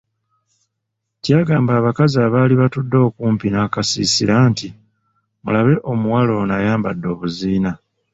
Kyagamba abakazi abaali batudde okumpi n'akasiisira nti, mulabe omuwala ono ayambadde obuziina.